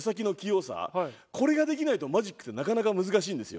これができないとマジックってなかなか難しいんですよ。